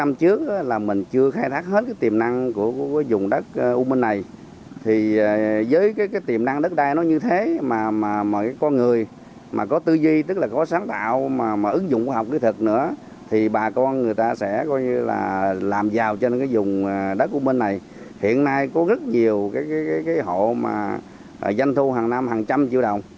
mà làm giàu trên cái vùng đất của bên này hiện nay có rất nhiều cái hộ mà doanh thu hàng năm hàng trăm triệu đồng